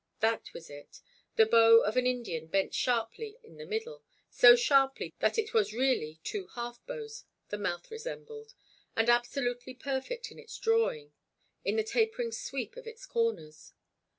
That was it—the bow of an Indian bent sharply in the middle, so sharply that it was really two half bows the mouth resembled, and absolutely perfect in its drawing, in the tapering sweep of its corners.